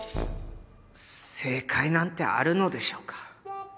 正解なんてあるのでしょうか？